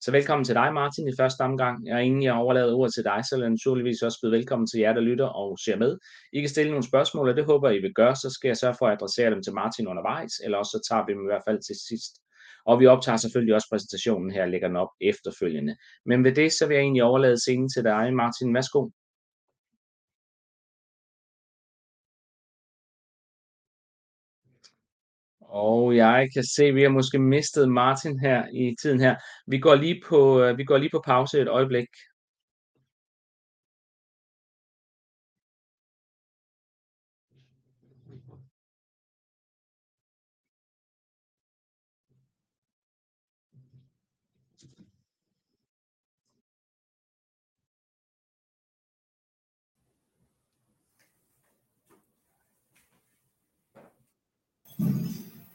Så velkommen til dig Martin i første omgang, og inden jeg overlader ordet til dig, så vil jeg naturligvis også byde velkommen til jer, der lytter og ser med. I kan stille nogle spørgsmål, og det håber jeg, I vil gøre. Så skal jeg sørge for at adressere dem til Martin undervejs. Eller også så tager vi dem i hvert fald til sidst. Og vi optager selvfølgelig også præsentationen her og lægger den op efterfølgende. Men ved det, så vil jeg egentlig overlade scenen til dig, Martin. Værsgo! Og jeg kan se, at vi har måske mistet Martin her i tiden her. Vi går lige på. Vi går lige på pause 1 øjeblik.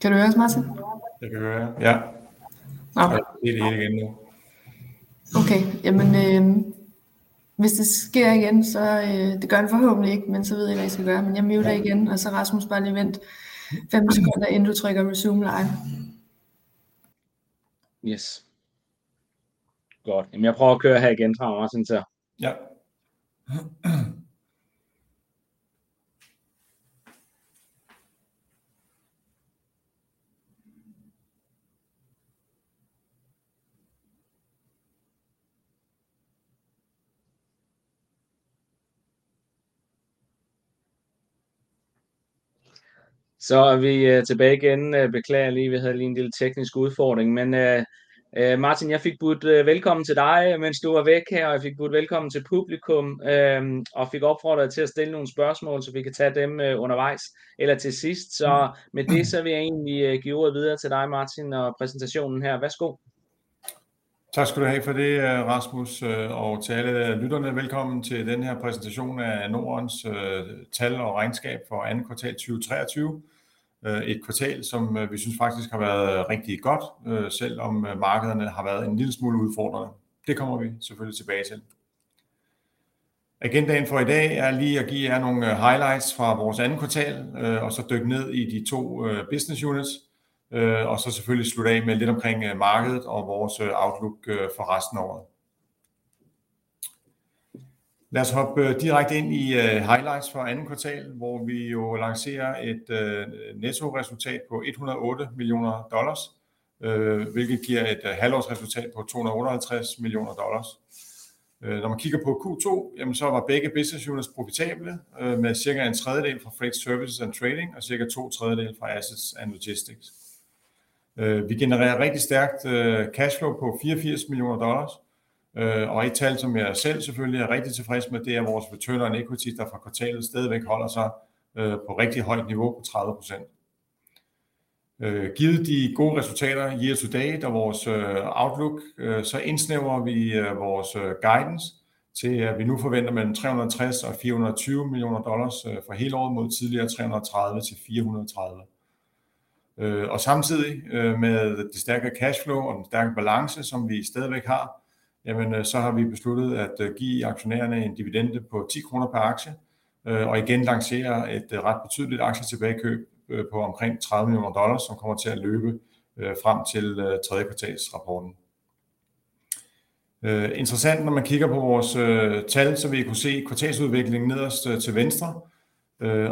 Kan du høre os, Martin? Jeg kan høre jer. Ja. Nå. Det er igen nu. Okay. Jamen, hvis det sker igen, så. Det gør det forhåbentlig ikke, men så ved I, hvad I skal gøre. Jeg mute igen. Rasmus, bare lige vent 5 sekunder, inden du trykker resume live. Yes. Godt, jamen jeg prøver at køre her igen fra Martin så. Ja. Vi er tilbage igen. Beklager lige, vi havde lige en lille teknisk udfordring, men Martin, jeg fik budt velkommen til dig, mens du var væk her, og jeg fik budt velkommen til publikum og fik opfordret til at stille nogle spørgsmål, så vi kan tage dem undervejs eller til sidst. Med det, så vil jeg egentlig give ordet videre til dig, Martin og præsentationen her. Værsgo. Tak skal du have for det, Rasmus. Til alle lytterne. Velkommen til den her præsentation af Nordens tal og regnskab for Q2 2023. Et kvartal, som vi synes faktisk har været rigtig godt, selvom markederne har været en lille smule udfordrende. Det kommer vi selvfølgelig tilbage til. Agendaen for i dag er lige at give jer nogle highlights fra vores andet kvartal og så dykke ned i de to business units og så selvfølgelig slutte af med lidt omkring markedet og vores outlook for resten af året. Lad os hoppe direkte ind i highlights for andet kvartal, hvor vi jo lancerer et nettoresultat på $108 million, hvilket giver et halvårsresultat på $258 million. Når man kigger på Q2, var begge business units profitable med approximately 1/3 from Freight Services & Trading and approximately 2/3 from Assets & Logistics. We generate rigtig stærkt cashflow of $84 million and a figure that I am, of course, rigtig tilfreds med, is our return on equity, which for the quarter still remains at rigtig højt niveau of 30%. Given the good results year to date and our outlook, we are narrowing our guidance to that we now expect between $360 million and $420 million for the full year, compared to the previous $330 million-$430 million. Samtidig med det stærkere cashflow og den stærke balance, som vi stadigvæk har, jamen så har vi besluttet at give aktionærerne en dividende på 10 kroner per share og igen lancere et ret betydeligt aktietilbagekøb på omkring $30 million, som kommer til at løbe frem til third quarter report. Interessant når man kigger på vores tal, så vil I kunne se kvartalsudvikling nederst til venstre.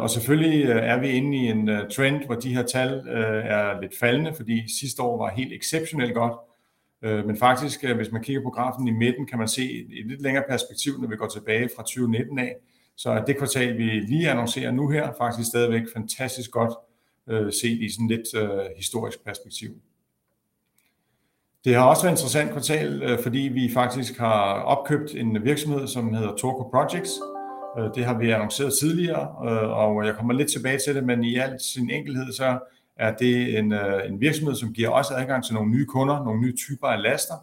Selvfølgelig er vi inde i en trend, hvor de her tal er lidt faldende, fordi sidste år var helt exceptionelt godt. Faktisk, hvis man kigger på grafen i midten, kan man se et lidt længere perspektiv. Når vi går tilbage fra 2019 af, så er det kvartal, vi lige annoncerer nu her, faktisk stadigvæk fantastisk godt set i sådan lidt historisk perspektiv. Det har også været interessant kvartal, fordi vi faktisk har opkøbt en virksomhed, som hedder Thorco Projects. Det har vi annonceret tidligere. Jeg kommer lidt tilbage til det. I al sin enkelhed, så er det en virksomhed, som giver os adgang til nogle nye kunder, nogle nye typer af laster,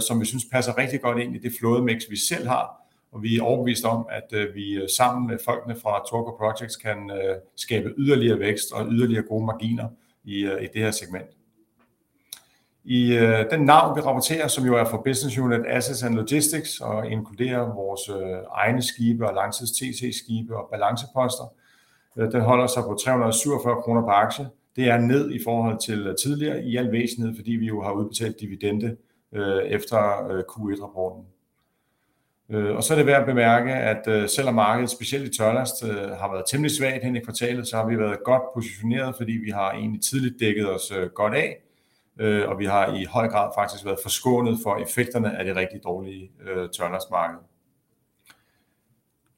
som vi synes passer rigtig godt ind i det flådemix, vi selv har. Og vi er overbeviste om, at vi sammen med folkene fra Thorco Projects kan skabe yderligere vækst og yderligere gode marginer i det her segment. I den NAV vi rapporterer, som jo er for business unit Assets & Logistics og inkluderer vores egne skibe og Langtids-TC skibe og balanceposter. Den holder sig på 347 kroner per aktie. Det er ned i forhold til tidligere. I al væsentlighed fordi vi jo har udbetalt dividende efter Q1 rapporten. Det er værd at bemærke, at selvom markedet specielt i tørlast har været temmelig svagt hen i kvartalet, så har vi været godt positioneret, fordi vi har egentlig tidligt dækket os godt af, og vi har i høj grad faktisk været forskånet for effekterne af det rigtig dårlige tørlast marked.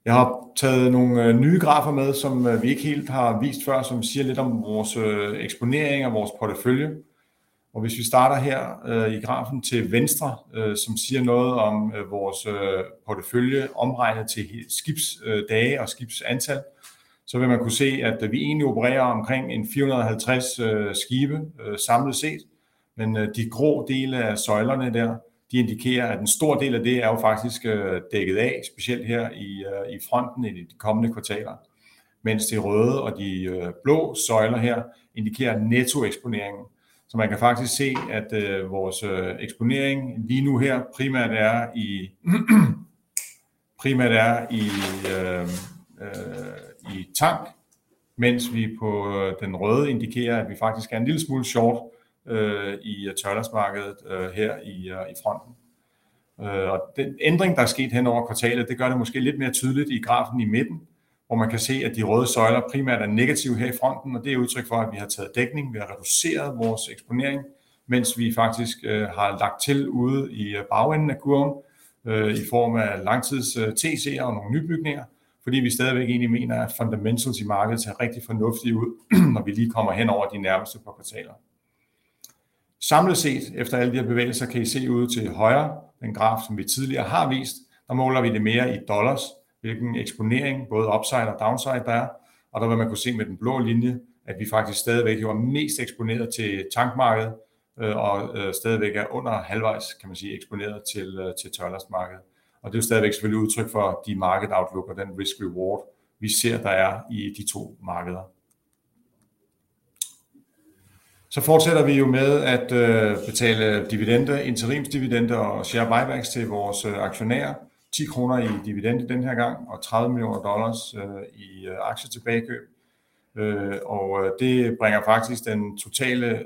Jeg har taget nogle nye grafer med, som vi ikke helt har vist før, som siger lidt om vores eksponering og vores portefølje. Hvis vi starter her i grafen til venstre, som siger noget om vores portefølje omregnet til skibsdage og skibsantal, så vil man kunne se, at vi egentlig opererer omkring 450 skibe samlet set. De grå dele af søjlerne der, de indikerer, at en stor del af det er jo faktisk dækket af. Specielt her i fronten i de kommende kvartaler, mens de røde og de blå søjler her indikerer netto eksponeringen. Man kan faktisk se, at vores eksponering lige nu her primært er i primært er i tank, mens vi på den røde indikerer, at vi faktisk er en lille smule short i tørlast markedet her i fronten. Den ændring, der er sket hen over kvartalet, det gør det måske lidt mere tydeligt i grafen i midten, hvor man kan se, at de røde søjler primært er negative her i fronten. Det er udtryk for, at vi har taget dækning. Vi har reduceret vores eksponering, mens vi faktisk har lagt til ude i bagenden af kurven i form af langtids TC'er og nogle nybygninger, fordi vi stadigvæk egentlig mener, at fundamentals i markedet ser rigtig fornuftige ud, når vi lige kommer hen over de nærmeste par kvartaler. Samlet set efter alle de her bevægelser kan I se ude til højre den graf, som vi tidligere har vist. Der måler vi det mere i dollars. Hvilken eksponering både upside og downside der er, og der vil man kunne se med den blå linje, at vi faktisk stadigvæk jo er mest eksponeret til tank markedet og stadigvæk er under halvvejs, kan man sige, eksponeret til tørlast markedet. Det er jo stadigvæk selvfølgelig udtryk for de market outlook og den risk reward, vi ser, der er i de to markeder. Fortsætter vi jo med at betale dividende, interimsdividende og share buybacks til vores aktionærer. 10 kroner i dividende denne her gang og $30 million i aktietilbagekøb. Det bringer faktisk den totale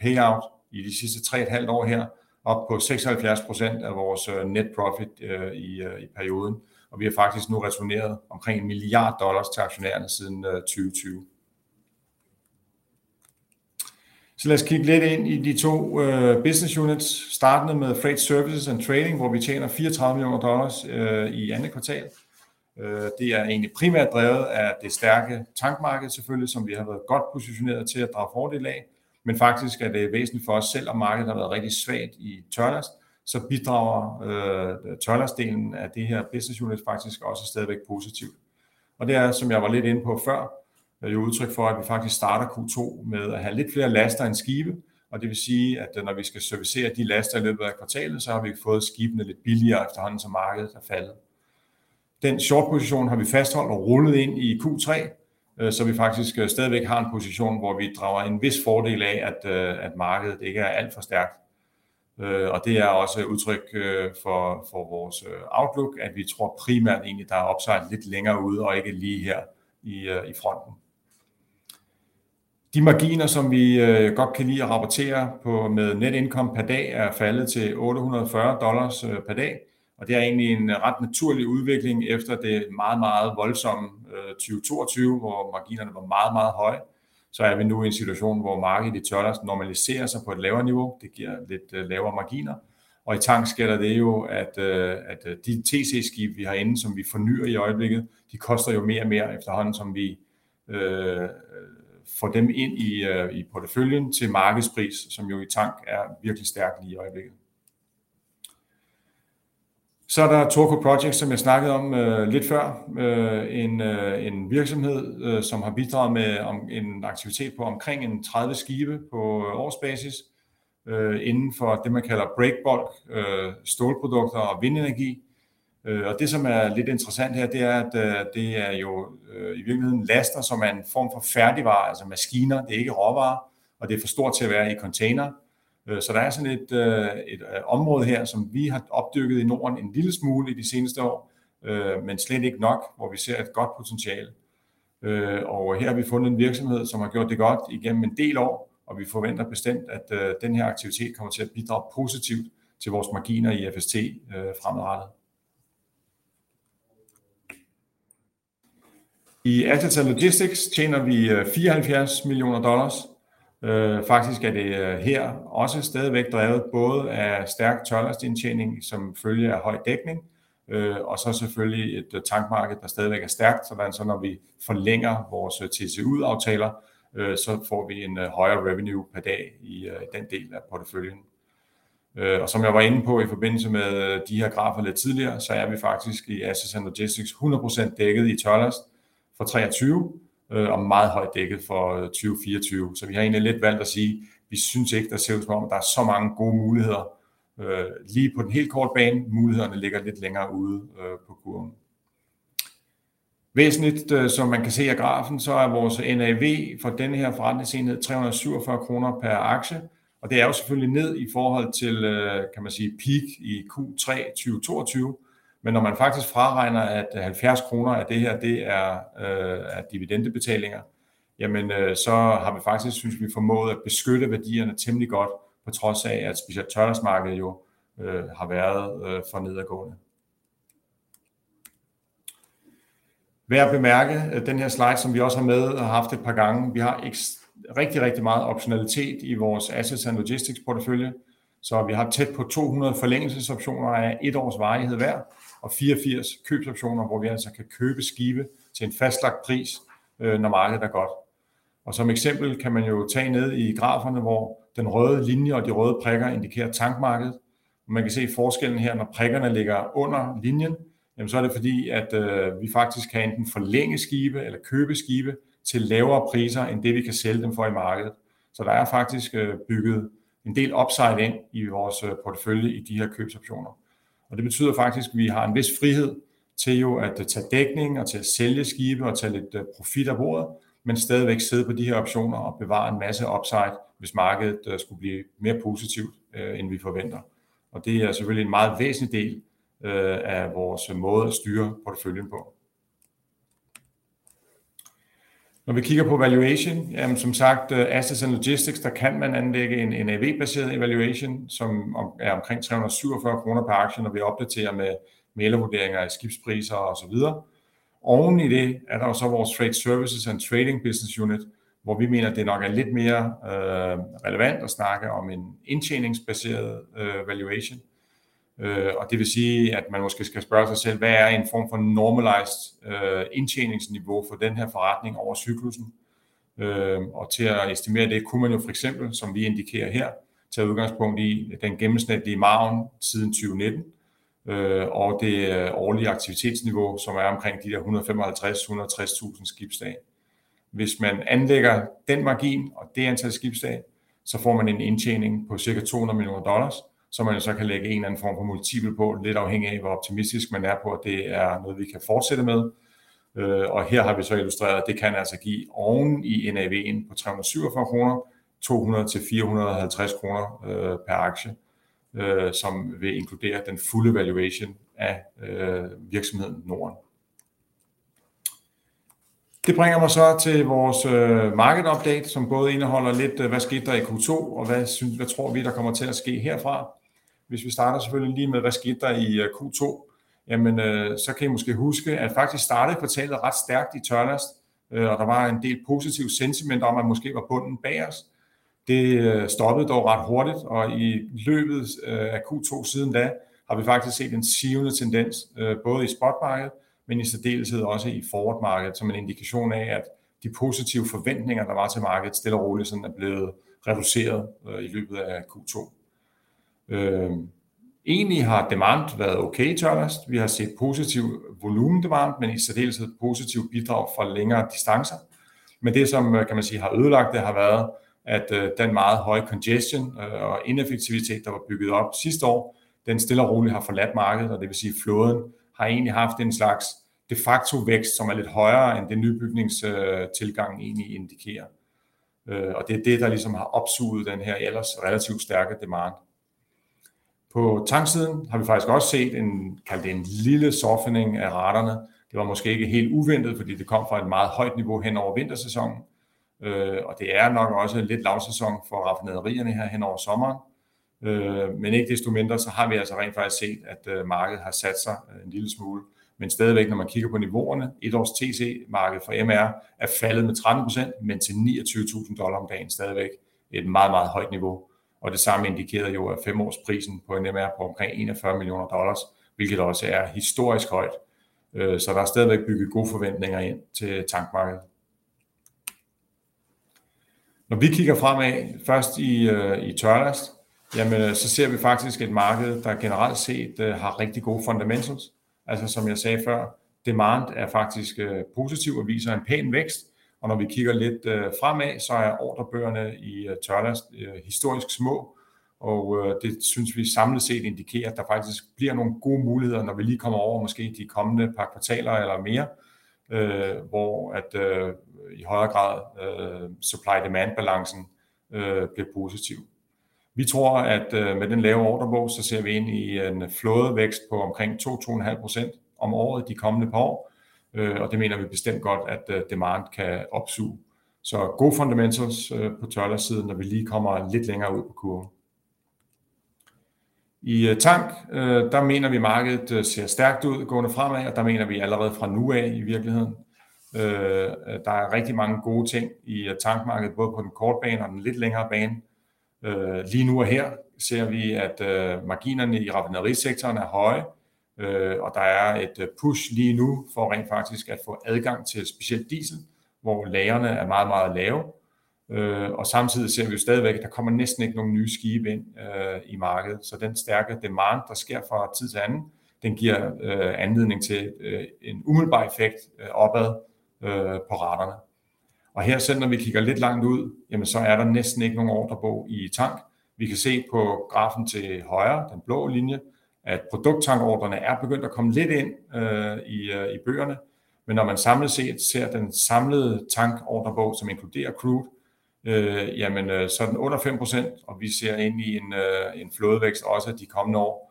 payout i de sidste 3.5 years her op på 76% af vores net profit i perioden. Vi har faktisk nu returneret omkring $1 billion til aktionærerne siden 2020. Lad os kigge lidt ind i de to business units, startende med Freight Services and Trading, hvor vi tjener $34 million i Q2. Det er egentlig primært drevet af det stærke tank marked selvfølgelig, som vi har været godt positioneret til at drage fordel af. Faktisk er det væsentligt for os, selv om markedet har været rigtig svagt i tørlast, så bidrager tørlast delen af det her business unit faktisk også stadigvæk positivt. Det er, som jeg var lidt inde på før, jo udtryk for, at vi faktisk starter Q2 med at have lidt flere laster end skibe. Det vil sige, at når vi skal servicere de laster i løbet af kvartalet, så har vi fået skibene lidt billigere, efterhånden som markedet er faldet. Den short position har vi fastholdt og rullet ind i Q3, så vi faktisk stadigvæk har en position, hvor vi drager en vis fordel af, at markedet ikke er alt for stærkt. Det er også udtryk for vores outlook, at vi tror primært egentlig, der er upside lidt længere ude og ikke lige her i fronten. De marginer, som vi godt kan lide at rapportere på med net income pr. dag, er faldet til $840 pr. dag, og det er egentlig en ret naturlig udvikling efter det meget, meget voldsomme 2022, hvor marginerne var meget, meget høje. Vi er nu i en situation, hvor markedet i tørlast normaliserer sig på et lavere niveau. Det giver lidt lavere marginer, og i tank gælder det jo, at de TC skibe, vi har inde, som vi fornyer i øjeblikket, de koster jo mere og mere, efterhånden som vi får dem ind i porteføljen til markedspris, som jo i tank er virkelig stærk lige i øjeblikket. Så er der Thorco Projects, som jeg snakkede om lidt før. En virksomhed, som har bidraget med en aktivitet på omkring 30 skibe på årsbasis inden for det, man kalder break bulk, stålprodukter og vindenergi. Det, som er lidt interessant her, det er, at det er jo i virkeligheden laster, som er en form for færdigvare, altså maskiner. Det er ikke råvarer, og det er for stort til at være i container. Der er sådan et område her, som vi har opdyrket i NORDEN en lille smule i de seneste år, men slet ikke nok, hvor vi ser et godt potentiale. Her har vi fundet en virksomhed, som har gjort det godt igennem en del år, og vi forventer bestemt, at den her aktivitet kommer til at bidrage positivt til vores marginer i FST fremadrettet. I Assets & Logistics tjener vi $74 million. Faktisk er det her også stadigvæk drevet både af stærk tørlast indtjening som følge af høj dækning og så selvfølgelig et tank marked, der stadigvæk er stærkt. Sådan så når vi forlænger vores TCU aftaler, så får vi en højere revenue per day i den del af porteføljen. Som jeg var inde på i forbindelse med de her grafer lidt tidligere, så er vi faktisk i Assets & Logistics 100% dækket i tørlast for 2023 og meget højt dækket for 2024. Vi har egentlig lidt valgt at sige: Vi synes ikke, det ser ud som om, der er så mange gode muligheder lige på den helt korte bane. Mulighederne ligger lidt længere ude på kurven. Væsentligt. Som man kan se af grafen, så er vores NAV for denne her forretningsenhed 347 kroner pr. aktie. Det er jo selvfølgelig ned i forhold til, kan man sige, peak i Q3 2022. Når man faktisk fraregner, at 70 kroner af det her, det er dividende betalinger, jamen så har vi faktisk, synes vi, formået at beskytte værdierne temmelig godt, på trods af at specielt tørlast markedet jo har været for nedadgående. Værd at bemærke, at den her slide, som vi også har med og har haft et par gange. Vi har rigtig, rigtig meget optionalitet i vores Assets & Logistics portefølje, så vi har tæt på 200 forlængelsesoptioner af 1 year's varighed hver og 84 købsoptioner, hvor vi altså kan købe skibe til en fastlagt pris, når markedet er godt. Som eksempel kan man jo tage nede i graferne, hvor den røde linje og de røde prikker indikerer tank market. Man kan se forskellen her. Når prikkerne ligger under linjen, jamen så er det fordi, at vi faktisk kan enten forlænge skibe eller købe skibe til lavere priser end det, vi kan sælge dem for i markedet. Der er faktisk bygget en del upside ind i vores portefølje i de her købsoptioner, og det betyder faktisk, at vi har en vis frihed til jo at tage dækning og til at sælge skibe og tage lidt profit af bordet, men stadigvæk sidde på de her optioner og bevare en masse upside, hvis markedet skulle blive mere positivt, end vi forventer. Det er selvfølgelig en meget væsentlig del af vores måde at styre porteføljen på. Når vi kigger på valuation, jamen som sagt Assets & Logistics. Der kan man anlægge en NAV-baseret valuation, som er omkring 347 kroner pr. aktie, når vi opdaterer med mæglervurderinger af skibspriser og så videre. Oven i det er der jo så vores Freight Services & Trading Business Unit, hvor vi mener, at det nok er lidt mere relevant at snakke om en indtjeningsbaseret valuation. Det vil sige, at man måske skal spørge sig selv hvad er en form for normaliseret indtjeningsniveau for den her forretning over cyklussen? Til at estimere det kunne man jo for eksempel, som vi indikerer her, tage udgangspunkt i den gennemsnitlige margen siden 2019 og det årlige aktivitetsniveau, som er omkring de her 155,000-160,000 skibsdage. Hvis man anlægger den margin og det antal skibsdage, så får man en indtjening på cirka $200 million, som man så kan lægge en eller anden form for multiple på. Lidt afhængig af, hvor optimistisk man er på, at det er noget, vi kan fortsætte med. Her har vi så illustreret, at det kan altså give oveni NAV en på 347 kroner 200-450 kroner pr. aktie, som vil inkludere den fulde valuation af virksomheden Norden. Det bringer mig så til vores market update, som både indeholder lidt. Hvad skete der i Q2, og hvad tror vi, der kommer til at ske herfra? Hvis vi starter selvfølgelig lige med hvad skete der i Q2? Jamen så kan I måske huske, at faktisk startede kvartalet ret stærkt i tørlast, og der var en del positiv sentiment om, at måske var bunden bag os. Det stoppede dog ret hurtigt, og i løbet af Q2 siden da har vi faktisk set en sivende tendens både i spot market, men i særdeleshed også i forward market som en indikation af, at de positive forventninger, der var til markedet, stille og roligt er blevet reduceret i løbet af Q2. Egentlig har demand været okay i tørlast. Vi har set positiv volumen demand, men i særdeleshed positive bidrag fra længere distancer. Det, som man kan sige har ødelagt det, har været, at den meget høje congestion og ineffektivitet, der var bygget op sidste år, den stille og roligt har forladt markedet. Det vil sige, at flåden har egentlig haft en slags de facto vækst, som er lidt højere end det nybygnings tilgangen egentlig indikerer. Det er det, der ligesom har opsuget den her ellers relativt stærke demand. På tanksiden har vi faktisk også set en, kald det en lille softening af raterne. Det var måske ikke helt uventet, fordi det kom fra et meget højt niveau hen over vintersæsonen, og det er nok også lidt lavsæson for raffinaderierne her hen over sommeren. Ikke desto mindre, så har vi altså rent faktisk set, at markedet har sat sig en lille smule. Stadigvæk, når man kigger på niveauerne. Et års TC marked for MR er faldet med 13%, men til $29,000 per day stadigvæk et meget, meget højt niveau. Det samme indikerede jo, at 5 års prisen på en MR på omkring $41 million, hvilket også er historisk højt. Der er stadigvæk bygget gode forventninger ind til tankmarkedet. Når vi kigger fremad først i tørlast, jamen så ser vi faktisk et marked, der generelt set har rigtig gode fundamentals. Altså, som jeg sagde før demand er faktisk positiv og viser en pæn vækst. Når vi kigger lidt fremad, så er ordrebøgerne i tørlast historisk små, og det synes vi samlet set indikerer, at der faktisk bliver nogle gode muligheder, når vi lige kommer over måske de kommende par kvartaler eller mere, hvor at i højere grad supply demand balance bliver positiv. Vi tror, at med den lave ordrebog, så ser vi ind i en flådevækst på omkring 2-2.5% om året de kommende par år, og det mener vi bestemt godt, at demand kan opsuge. Gode fundamentals på tørlast siden, når vi lige kommer lidt længere ud på kurven. I tank, der mener vi, markedet ser stærkt ud gående fremad, og der mener vi allerede fra nu af i virkeligheden. Der er rigtig mange gode ting i tank market, både på den korte bane og den lidt længere bane. Lige nu og her ser vi, at marginerne i refinery sector er høje, og der er et push lige nu for rent faktisk at få adgang til specielt diesel, hvor lagrene er meget, meget lave. Samtidig ser vi jo stadigvæk, at der kommer næsten ikke nogle nye skibe ind i markedet. Den stærke demand, der sker fra tid til anden, den giver anledning til en umiddelbar effekt opad på raterne. Her, selv når vi kigger lidt langt ud, så er der næsten ikke nogen ordrebog i tank. Vi kan se på grafen til højre den blå linje, at produkt tank ordrerne er begyndt at komme lidt ind i bøgerne. Når man samlet set ser den samlede tank ordrebog, som inkluderer crude, jamen så er den under 5%, og vi ser ind i en flådevækst også de kommende år,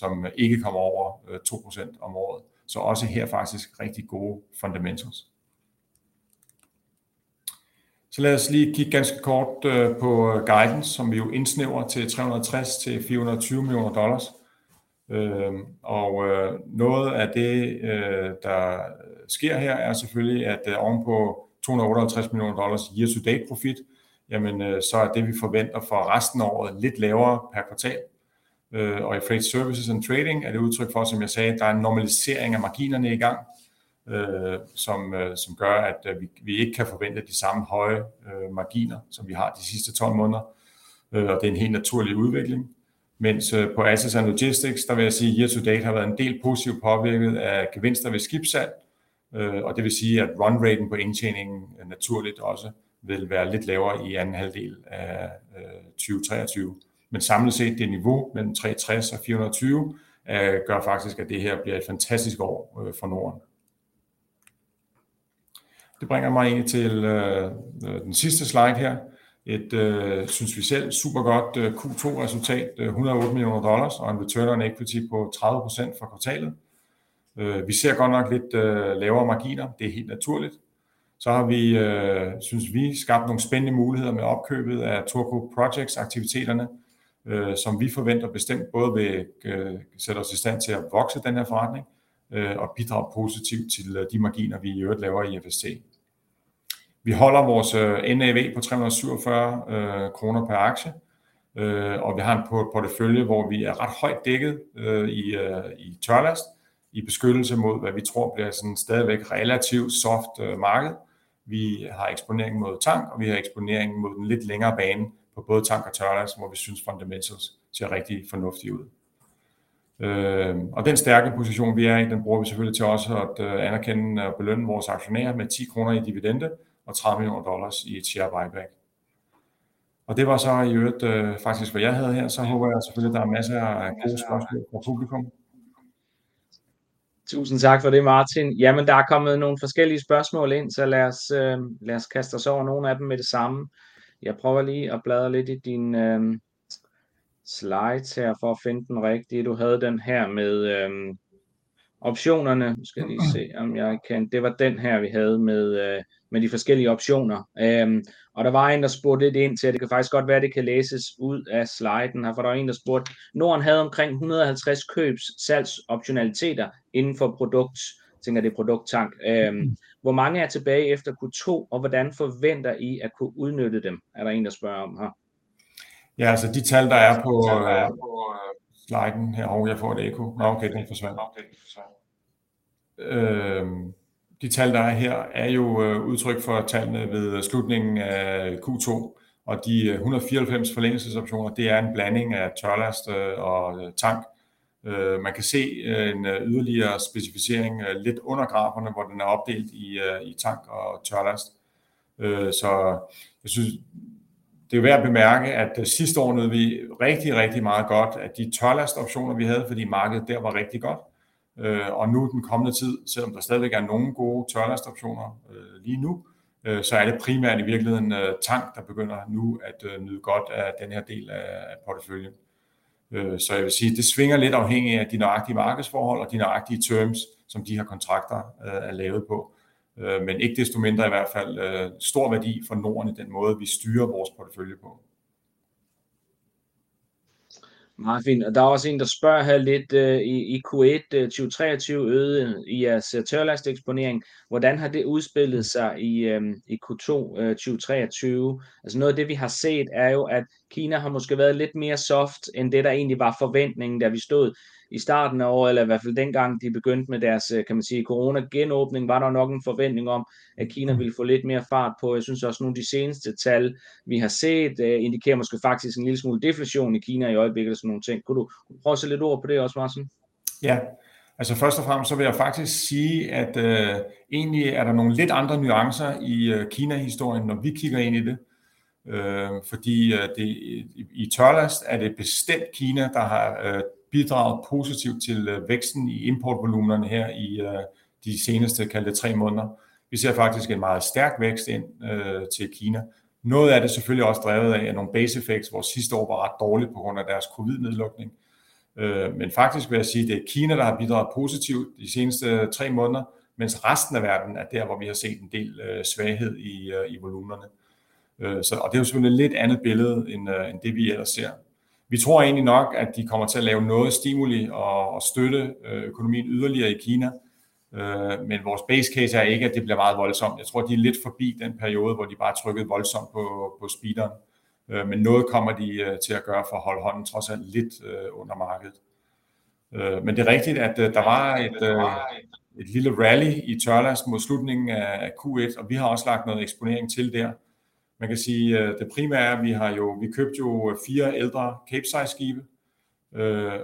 som ikke kommer over 2% om året. Også her faktisk rigtig gode fundamentals. Lad os lige kigge ganske kort på guidance, som vi jo indsnævrer til $360 million-$420 million. Noget af det, der sker her, er selvfølgelig, at ovenpå $268 million year to date profit, jamen så er det vi forventer for resten af året lidt lavere per kvartal. I Freight Services & Trading er det udtryk for, som jeg sagde, at der er en normalisering af marginerne i gang, som gør, at vi ikke kan forvente de samme høje marginer, som vi har de sidste 12 months. Det er en helt naturlig udvikling, mens på Assets & Logistics, der vil jeg sige year to date har været en del positivt påvirket af gevinster ved skibssalg, og det vil sige, at run rate på indtjeningen naturligt også vil være lidt lavere i anden halvdel af 2023. Samlet set det niveau mellem $360 million-$420 million gør faktisk, at det her bliver et fantastisk år for NORDEN. Det bringer mig egentlig til den sidste slide her. Et synes vi selv super godt Q2 resultat. $108 million og en return on equity på 30% for kvartalet. Vi ser godt nok lidt lavere marginer. Det er helt naturligt. Har vi, synes vi, skabt nogle spændende muligheder med opkøbet af Thorco Projects aktiviteterne, som vi forventer bestemt både vil sætte os i stand til at vokse i den her forretning og bidrage positivt til de marginer, vi i øvrigt laver i FST. Vi holder vores NAV på 347 pr. Aktie, og vi har en portefølje, hvor vi er ret højt dækket i tørlast i beskyttelse mod, hvad vi tror bliver stadigvæk relativt soft marked. Vi har eksponering mod tank, og vi har eksponering mod den lidt længere bane på både tank og tørlast, hvor vi synes fundamentals ser rigtig fornuftigt ud. Den stærke position vi er i. Den bruger vi selvfølgelig til også at anerkende og belønne vores aktionærer med 10 kroner i dividende og $30 million i share buyback. Det var så i øvrigt faktisk, hvad jeg havde her. Håber jeg selvfølgelig, at der er masser af gode spørgsmål fra publikum. Tusind tak for det, Martin. Jamen der er kommet nogle forskellige spørgsmål ind, så lad os. Lad os kaste os over nogle af dem med det samme. Jeg prøver lige at bladre lidt i din slides her for at finde den rigtige. Du havde den her med optionerne. Nu skal jeg lige se, om jeg kan. Det var den her vi havde med med de forskellige optioner, og der var en, der spurgte lidt ind til. Det kan faktisk godt være, at det kan læses ud af sliden, for der er en, der spurgte. Norden havde omkring 150 købs salgs optionaliteter inden for produkt. Tænker det er product tank. Hvor mange er tilbage efter Q2, og hvordan forventer I at kunne udnytte dem? Er der en, der spørger om her? De tal der er på sliden her. Jeg får et ekko. Den forsvandt. De tal, der er her, er udtryk for tallene ved slutningen af Q2 og de 194 forlængelses optioner. Det er en blanding af tørlast og tank. Man kan se en yderligere specificering lidt under graferne, hvor den er opdelt i tank og tørlast. Jeg synes, det er værd at bemærke, at sidste år nød vi rigtig, rigtig meget godt af de tørlast optioner, vi havde, fordi markedet var rigtig godt. Nu i den kommende tid. Selvom der stadigvæk er nogle gode tørlast optioner lige nu, så er det primært i virkeligheden tank, der begynder nu at nyde godt af den her del af porteføljen. Jeg vil sige, at det svinger lidt afhængigt af de nøjagtige markedsforhold og de nøjagtige terms, som de her kontrakter er lavet på. Ikke desto mindre i hvert fald stor værdi for NORDEN i den måde, vi styrer vores portefølje på. Der er også en, der spørger her lidt i Q1 2023 øgede I jeres tørlast eksponering. Hvordan har det udspillet sig i Q2 2023? Noget af det vi har set, er jo, at Kina har måske været lidt mere soft end det, der egentlig var forventningen, da vi stod i starten af året. I hvert fald dengang de begyndte med deres. Kan man sige corona genåbning, var der nok en forventning om, at Kina ville få lidt mere fart på. Jeg synes også, at nogle af de seneste tal, vi har set, indikerer måske faktisk en lille smule deflation i Kina i øjeblikket og sådan nogle ting. Kunne du prøve at sætte lidt ord på det også, Martin? Ja, altså først og fremmest, så vil jeg faktisk sige, at egentlig er der nogle lidt andre nuancer i Kina historien, når vi kigger ind i det. Fordi i tørlast er det bestemt Kina, der har bidraget positivt til væksten i import voluminerne her i de seneste tre måneder. Vi ser faktisk en meget stærk vækst ind til Kina. Noget af det er selvfølgelig også drevet af nogle base effects, hvor sidste år var ret dårligt på grund af deres covid nedlukning. Men faktisk vil jeg sige, at det er Kina, der har bidraget positivt de seneste tre måneder, mens resten af verden er der, hvor vi har set en del svaghed i voluminerne. Og det er jo selvfølgelig et lidt andet billede end det, vi ellers ser. Vi tror egentlig nok, at de kommer til at lave noget stimuli og støtte økonomien yderligere i Kina. Vores base case er ikke, at det bliver meget voldsomt. Jeg tror, de er lidt forbi den periode, hvor de bare trykkede voldsomt på speederen. Noget kommer de til at gøre for at holde hånden trods alt lidt under markedet. Det er rigtigt, at der var et lille rally i tørlast mod slutningen af Q1, og vi har også lagt noget eksponering til der. Man kan sige, at det primære vi har jo. Vi købte jo four ældre Capesize skibe,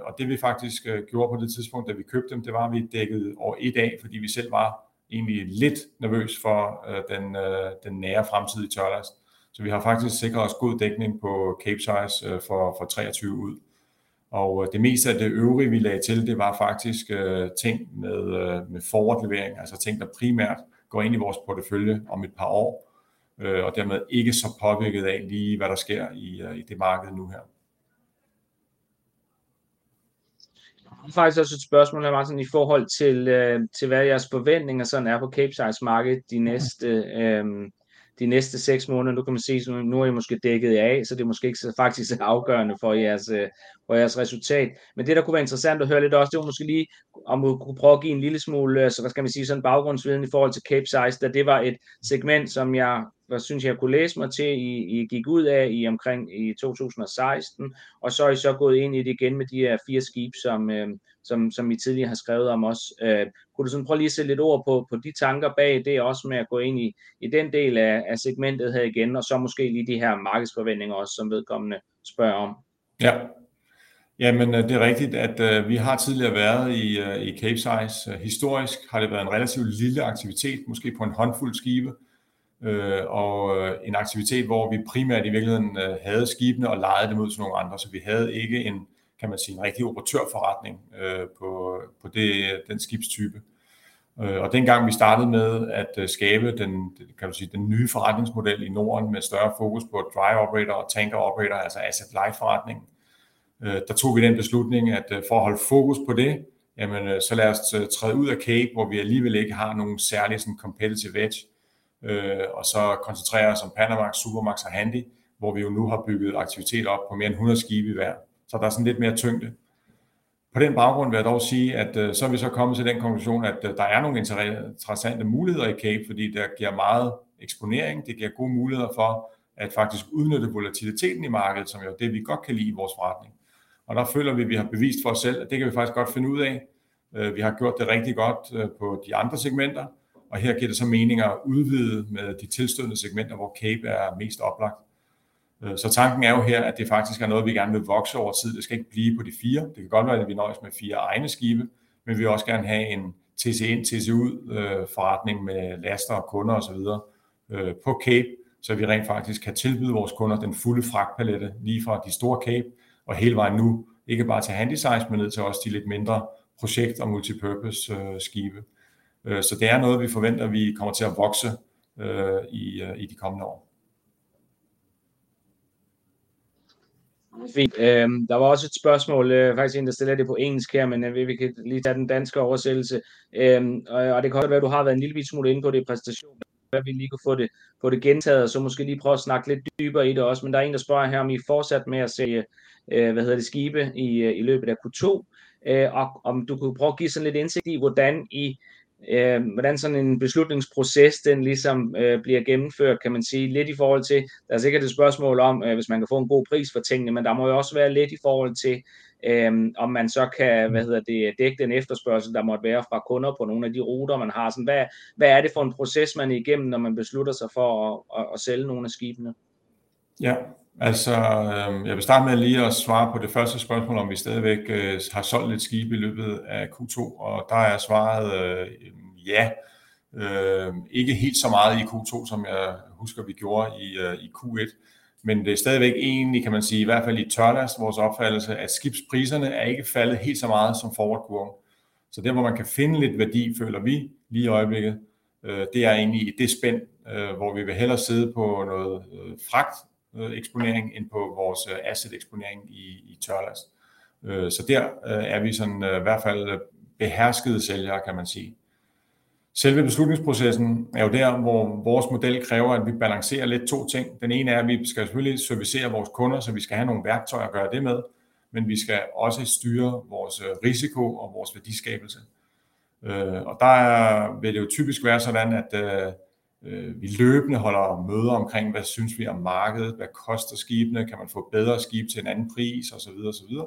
og det vi faktisk gjorde på det tidspunkt, da vi købte dem, det var, at vi dækkede år one af, fordi vi selv var egentlig lidt nervøs for den nære fremtid i tørlast. Vi har faktisk sikret os god dækning på Capesize fra 2023 ud, og det meste af det øvrige, vi lagde til, det var faktisk ting med forward levering. Ting der primært går ind i vores portefølje om et par år og dermed ikke så påvirket af lige hvad der sker i det marked nu her. Faktisk også et spørgsmål her Martin i forhold til til, hvad jeres forventninger er på Capesize markedet de næste. De næste seks måneder. Nu kan man sige, at nu har I måske dækket jer af, så det er måske ikke faktisk afgørende for jeres og jeres resultat. Det der kunne være interessant at høre lidt også, det var måske lige, om du kunne prøve at give en lille smule. Hvad skal man sige sådan baggrundsviden i forhold til Capesize? Det var et segment, som jeg synes, jeg kunne læse mig til. I gik ud af i omkring i 2016, og så er I så gået ind i det igen med de her fire skibe, som som I tidligere har skrevet om også. Kunne du prøve at sætte lidt ord på de tanker bag det også med at gå ind i den del af segmentet her igen? Måske lige de her markedsforventninger, som vedkommende spørger om. Ja, jamen det er rigtigt, at vi har tidligere været i Capesize. Historisk har det været en relativt lille aktivitet, måske på en håndfuld skibe og en aktivitet, hvor vi primært i virkeligheden havde skibene og lejede dem ud til nogle andre. Vi havde ikke en. Kan man sige en rigtig operatør forretning på på den skibstype?... Dengang vi startede med at skabe den, kan du sige den nye forretningsmodel i NORDEN med større fokus på dry operator og tanker operator, altså asset light forretningen. Der tog vi den beslutning, at for at holde fokus på det, så lad os træde ud af Cape, hvor vi alligevel ikke har nogen særlig competitive edge og så koncentrere os om Panamax, Supramax og handy, hvor vi jo nu har bygget en aktivitet op på mere end 100 skibe i hver. Der er sådan lidt mere tyngde. På den baggrund vil jeg dog sige, at så er vi så kommet til den konklusion, at der er nogle interessante muligheder i Cape, fordi det giver meget eksponering. Det giver gode muligheder for at faktisk udnytte volatiliteten i markedet, som jo er det, vi godt kan lide i vores forretning. Der føler vi, at vi har bevist for os selv, at det kan vi faktisk godt finde ud af. Vi har gjort det rigtig godt på de andre segmenter, og her giver det mening at udvide med de tilstødende segmenter, hvor Cape er mest oplagt. Tanken er jo her, at det faktisk er noget, vi gerne vil vokse over tid. Det skal ikke blive på de four. Det kan godt være, at vi nøjes med 4 egne skibe, men vi vil også gerne have en TC ind TC ud forretning med laster og kunder og så videre på Cape, så vi rent faktisk kan tilbyde vores kunder den fulde fragt palette lige fra de store Cape og hele vejen nu ikke bare til Handysize, men ned til også de lidt mindre projekt og multipurpose skibe. Det er noget, vi forventer, at vi kommer til at vokse i i de kommende år. Fint. Der var også et spørgsmål. Faktisk en, der stiller det på engelsk her, men vi kan lige tage den danske oversættelse, og det kan godt være, at du har været en lille smule inde på det i præsentationen. Hvad vi lige kunne få det, få det gentaget og så måske lige prøve at snakke lidt dybere i det også. Der er en, der spørger her om I er fortsat med at sælge? Hvad hedder det skibe i løbet af Q2, og om du kunne prøve at give lidt indsigt i, hvordan I hvordan sådan en beslutningsproces den ligesom bliver gennemført? Kan man sige lidt i forhold til. Der er sikkert et spørgsmål om, hvis man kan få en god pris for tingene, men der må jo også være lidt i forhold til, om man så kan. Hvad hedder det at dække den efterspørgsel, der måtte være fra kunder på nogle af de ruter, man har? Hvad? Hvad er det for en proces, man er igennem, når man beslutter sig for at sælge nogle af skibene? Jeg vil starte med lige at svare på det første spørgsmål, om vi stadigvæk har solgt lidt skibe i løbet af Q2. Der er svaret ja. Ikke helt så meget i Q2, som jeg husker, vi gjorde i Q1, det er stadigvæk egentlig, kan man sige. I hvert fald i tørlast. Vores opfattelse af skibspriserne er ikke faldet helt så meget som forward kurven, der hvor man kan finde lidt værdi, føler vi lige i øjeblikket. Det er egentlig i det spænd, hvor vi vil hellere sidde på noget fragt eksponering end på vores asset eksponering i tørlast, der er vi i hvert fald beherskede sælgere, kan man sige. Selve beslutningsprocessen er jo der, hvor vores model kræver, at vi balancerer to ting. Den ene er, at vi skal selvfølgelig servicere vores kunder, vi skal have nogle værktøjer at gøre det med. Vi skal også styre vores risiko og vores værdiskabelse. Der vil det jo typisk være sådan, at vi løbende holder møder omkring hvad synes vi om markedet? Hvad koster skibene? Kan man få bedre skibe til en anden pris? Og så videre, og så videre.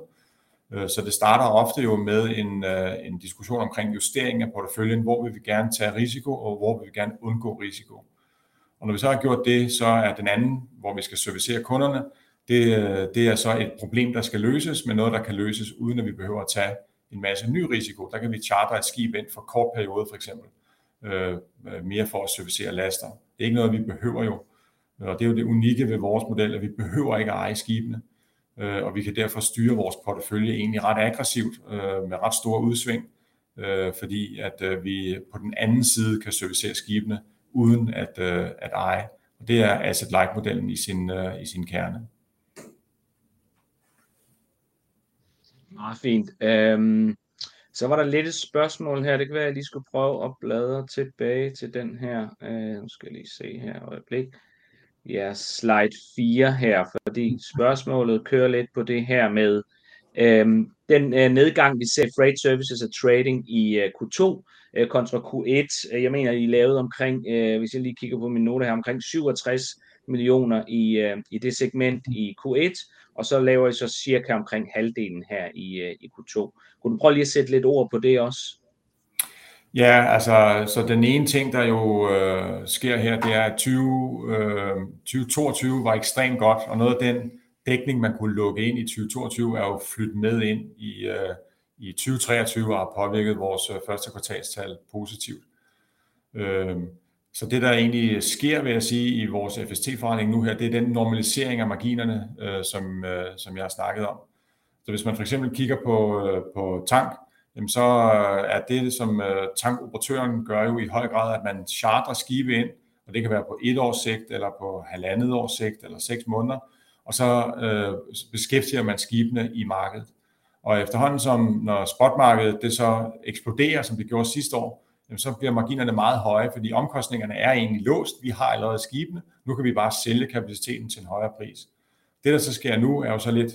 Det starter ofte jo med en diskussion omkring justering af porteføljen. Hvor vil vi gerne tage risiko, og hvor vil vi gerne undgå risiko? Når vi så har gjort det, så er den anden, hvor vi skal servicere kunderne. Det er så et problem, der skal løses, men noget, der kan løses, uden at vi behøver at tage en masse ny risiko. Der kan vi charter et skib ind for kort periode, for eksempel mere for at servicere laster. Det er ikke noget, vi behøver jo, og det er jo det unikke ved vores model, at vi behøver ikke at eje skibene, og vi kan derfor styre vores portefølje egentlig ret aggressivt med ret store udsving, fordi at vi på den anden side kan servicere skibene uden at eje. Det er asset light modellen i sin i sin kerne. Meget fint. Der var lidt et spørgsmål her. Det kan være, jeg lige skulle prøve at bladre tilbage til den her. Nu skal jeg lige se her. Øjeblik. Ja, slide 4 her. Spørgsmålet kører lidt på det her med den nedgang vi ser i Freight Services & Trading i Q2 kontra Q1. Jeg mener I lavede omkring. Hvis jeg lige kigger på mine noter her omkring 67 million i det segment i Q1, laver I så cirka omkring halvdelen her i Q2. Kunne du prøve lige at sætte lidt ord på det også? Den ene ting, der jo sker her, det er, at 20 2022 var ekstremt godt, og noget af den dækning, man kunne lukke ind i 2022, er jo flyttet med ind i 2023 og har påvirket vores første kvartalstal positivt. Det, der egentlig sker, vil jeg sige i vores FST forretning nu her, det er den normalisering af marginerne, som som jeg har snakket om. Hvis man for eksempel kigger på på tank, jamen så er det, som tanker operator gør jo i høj grad, at man chartrer skibe ind, og det kan være på 1 års sigt eller på 1.5 års sigt eller 6 måneder. Så beskæftiger man skibene i markedet. Efterhånden som når spot market så eksploderer, som det gjorde sidste år, så bliver marginerne meget høje, fordi omkostningerne er egentlig låst. Vi har allerede skibene. Nu kan vi bare sælge kapaciteten til en højere pris. Det, der så sker nu, er jo så lidt,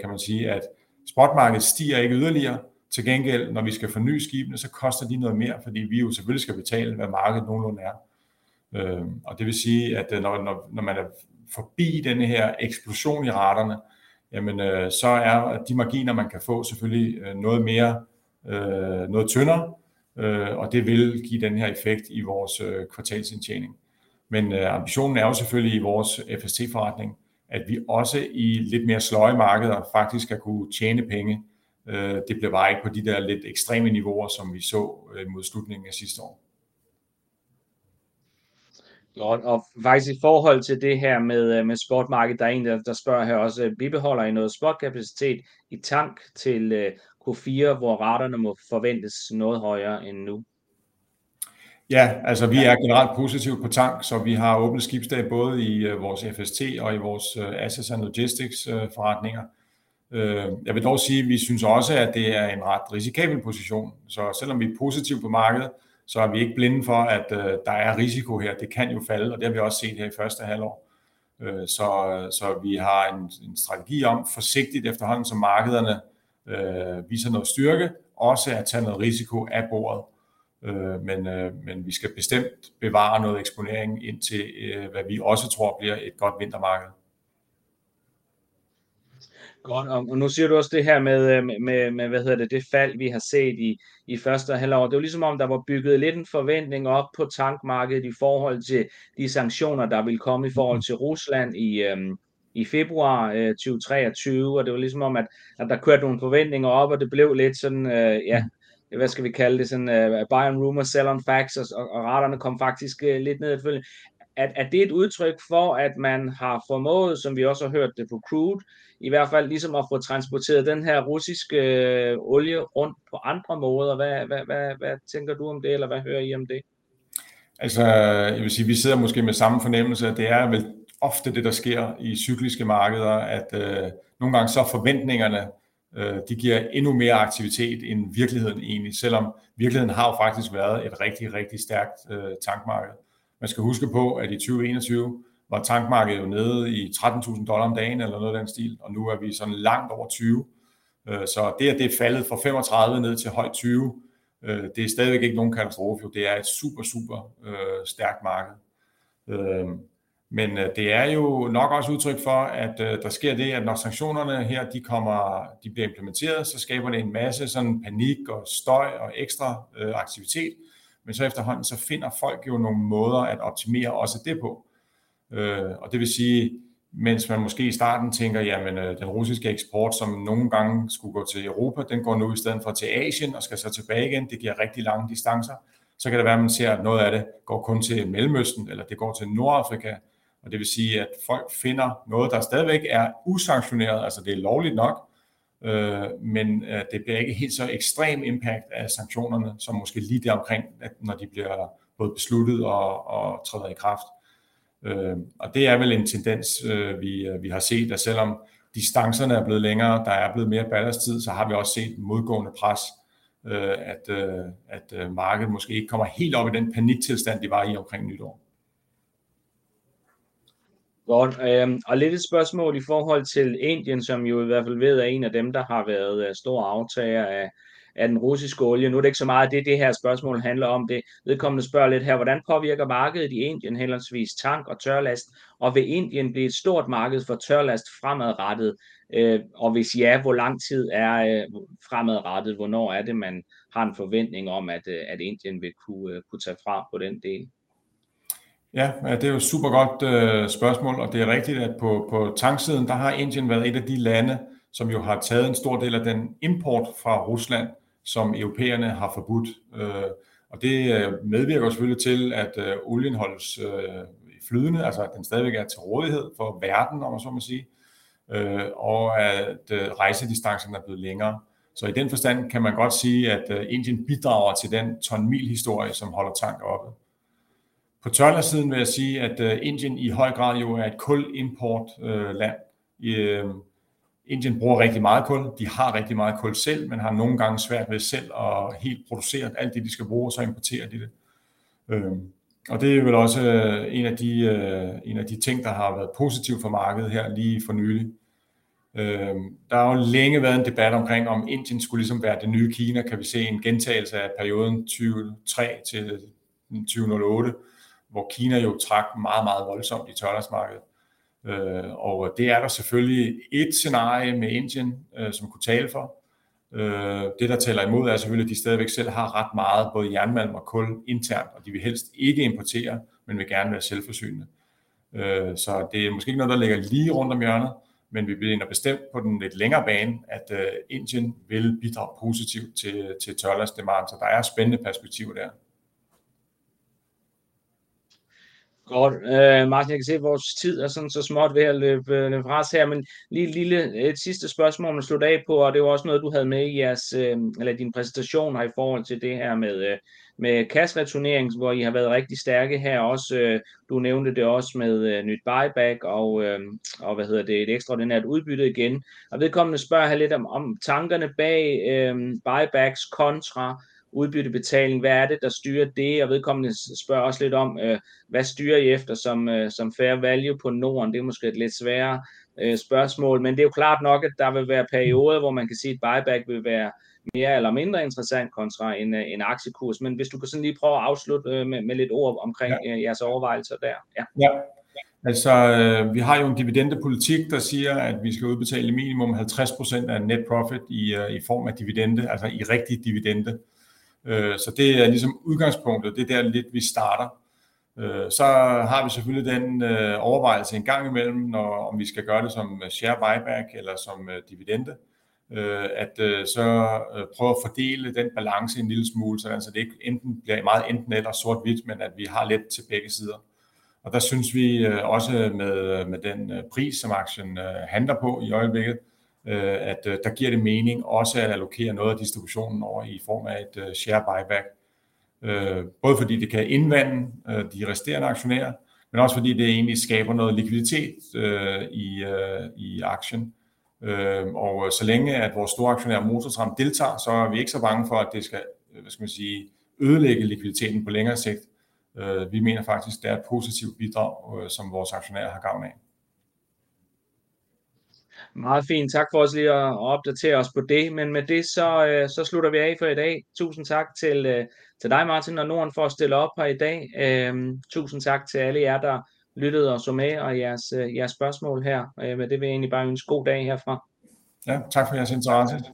kan man sige, at spotmarkedet stiger ikke yderligere. Til gengæld når vi skal forny skibene, så koster de noget mere, fordi vi jo selvfølgelig skal betale, hvad markedet nogenlunde er. Det vil sige, at når man er forbi den her eksplosion i raterne, jamen så er de marginer, man kan få selvfølgelig noget mere noget tyndere, og det vil give den her effekt i vores kvartals indtjening. Ambitionen er jo selvfølgelig i vores FST forretning, at vi også i lidt mere sløje markeder faktisk skal kunne tjene penge. Det bliver bare ikke på de der lidt ekstreme niveauer, som vi så mod slutningen af sidste år. ... Godt. Faktisk i forhold til det her med med spotmarkedet. Der er en, der spørger her også. Bibeholder I noget spot kapacitet i tank til Q4, hvor raterne må forventes noget højere end nu? Altså vi er generelt positive på tank, vi har åbnet skibsdag både i vores FST og i vores Assets & Logistics forretninger. Jeg vil dog sige, at vi synes også, at det er en ret risikabel position. Selvom vi er positive på markedet, så er vi ikke blinde for, at der er risiko her. Det kan jo falde, det har vi også set her i første halvår. Vi har en strategi om forsigtigt, efterhånden som markederne viser noget styrke, også at tage noget risiko af bordet. Vi skal bestemt bevare noget eksponering, indtil hvad vi også tror bliver et godt vintermarked. Godt. Nu siger du også det her med. Hvad hedder det fald, vi har set i første halvår? Det var ligesom om, der var bygget lidt en forventning op på tank markedet i forhold til de sanktioner, der ville komme i forhold til Rusland i February 2023. Det var ligesom om, at der kørte nogle forventninger op, og det blev lidt sådan ja, hvad skal vi kalde det sådan buy on rumors, sell on facts. Raterne kom faktisk lidt ned efterfølgende. Er det et udtryk for, at man har formået, som vi også har hørt det på crude, i hvert fald ligesom at få transporteret den her Russian oil rundt på andre måder? Hvad? Hvad tænker du om det, eller hvad hører I om det? Altså, jeg vil sige, vi sidder måske med samme fornemmelse, og det er vel ofte det, der sker i cykliske markeder, at nogle gange så forventningerne de giver endnu mere aktivitet end virkeligheden egentlig. Selvom virkeligheden har jo faktisk været et rigtig, rigtig stærkt tank market. Man skal huske på, at in 2021 var tank market jo nede i $13,000 per day eller noget i den stil, og nu er vi sådan langt over 20. Det at det er faldet fra 35 ned til high 20, det er stadigvæk ikke nogen katastrofe. Det er et super, super stærkt market, men det er jo nok også udtryk for, at der sker det, at når sanktionerne her de kommer, de bliver implementeret, så skaber det en masse panik og støj og ekstra aktivitet. Så efterhånden så finder folk jo nogle måder at optimere også det på. Det vil sige, mens man måske i starten tænker jamen den russiske eksport, som nogle gange skulle gå til Europa, den går nu i stedet for til Asien og skal så tilbage igen. Det giver rigtig lange distancer. Det kan være, at man ser, at noget af det går kun til Mellemøsten, eller det går til Nordafrika, og det vil sige, at folk finder noget, der stadigvæk er usanktioneret. Altså, det er lovligt nok, men det bliver ikke helt så ekstrem impact af sanktionerne, som måske lige der omkring, når de bliver både besluttet og træder i kraft. Det er vel en tendens, vi har set, at selvom distancerne er blevet længere og der er blevet mere ballast time, så har vi også set et modgående pres, at markedet måske ikke kommer helt op i den panik tilstand, de var i omkring nytår. Godt, lidt et spørgsmål i forhold til Indien, som jo i hvert fald ved, at en af dem, der har været stor aftager af af den russiske olie. Nu er det ikke så meget det, det her spørgsmål handler om. Det vedkommende spørger lidt her. Hvordan påvirker markedet i Indien henholdsvis tank og tørlast? Vil Indien blive et stort marked for tørlast fremadrettet? Hvis ja, hvor lang tid er fremadrettet? Hvornår er det, man har en forventning om, at Indien vil kunne kunne tage fra på den del? Ja, det er jo et super godt spørgsmål. Det er rigtigt, at på på tank siden, der har Indien været et af de lande, som jo har taget en stor del af den import fra Rusland, som europæerne har forbudt. Det medvirker selvfølgelig til, at olien holdes flydende, altså at den stadigvæk er til rådighed for verden, om man så må sige, og at rejsedistancen er blevet længere. I den forstand kan man godt sige, at Indien bidrager til den ton-mil historie, som holder tank oppe. På tørlast siden vil jeg sige, at Indien i høj grad jo er et kul import land. Indien bruger rigtig meget kul. De har rigtig meget kul selv, men har nogle gange svært ved selv at helt producere alt det, de skal bruge, og så importerer de det. Det er vel også en af de, en af de ting, der har været positivt for markedet her lige for nylig. Der har længe været en debat omkring, om India skulle være det nye China. Kan vi se en gentagelse af perioden 2003-2008, hvor China jo trak meget, meget voldsomt i tørlast markedet. Det er der selvfølgelig et scenarie med India, som kunne tale for. Det, der taler imod, er selvfølgelig, at de stadigvæk selv har ret meget både jernmalm og kul internt, og de vil helst ikke importere, men vil gerne være selvforsynende. Det er måske ikke noget, der ligger lige rundt om hjørnet. Vi mener bestemt på den lidt længere bane, at India vil bidrage positivt til til tørlast demand. Der er spændende perspektiver der. Godt Martin. Jeg kan se, at vores tid er så småt ved at løbe fra os her. Lige et lille sidste spørgsmål man slutte af på, og det var også noget du havde med i jeres eller dine præsentationer i forhold til det her med med cash returnering, hvor I har været rigtig stærke her også. Du nævnte det også med nyt buyback og og hvad hedder det? Et ekstraordinært udbytte igen. Vedkommende spørger lidt om tankerne bag buyback kontra udbyttebetaling. Hvad er det, der styrer det? Vedkommende spørger også lidt om, hvad styrer I efter som som fair value på Norden? Det er måske et lidt sværere spørgsmål, men det er jo klart nok, at der vil være perioder, hvor man kan sige, at buyback vil være mere eller mindre interessant kontra en aktiekurs. hvis du kan lige prøve at afslutte med lidt ord omkring jeres overvejelser der? Vi har jo en dividende politik, der siger, at vi skal udbetale minimum 50% af net profit i form af dividende, altså i rigtig dividende. Det er ligesom udgangspunktet. Det er der, vi starter. Har vi selvfølgelig den overvejelse engang imellem, om vi skal gøre det som share buyback eller som dividende. Prøve at fordele den balance en lille smule, så det ikke enten bliver meget enten eller sort hvidt, men at vi har lidt til begge sider. Der synes vi også med med den pris, som aktien handler på i øjeblikket, at der giver det mening også at allokere noget af distributionen over i form af et share buyback. Både fordi det kan indvande de resterende aktionærer, men også fordi det egentlig skaber noget likviditet i i aktien. Så længe at vores storaktionær Motortramp deltager, så er vi ikke så bange for, at det skal ødelægge likviditeten på længere sigt. Vi mener faktisk, det er et positivt bidrag, som vores aktionærer har gavn af. Meget fint. Tak for også lige at opdatere os på det. Med det, så slutter vi af for i dag. Tusind tak til dig Martin og Norden for at stille op her i dag. Tusind tak til alle jer, der lyttede og så med og jeres spørgsmål her. Det vil jeg egentlig bare ønske god dag herfra. Tak for jeres interesse!